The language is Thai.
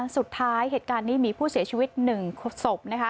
สุดท้ายเหตุการณ์นี้มีผู้เสียชีวิตหนึ่งสบ